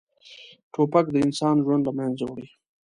توپک د انسان ژوند له منځه وړي.